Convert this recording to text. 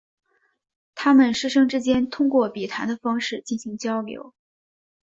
他们师生之间通过笔谈的方式进行交流。